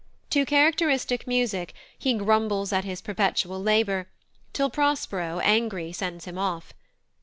To characteristic music he grumbles at his perpetual labour, till Prospero, angry, sends him off.